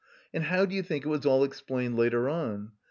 And how do you think it was all explained later on?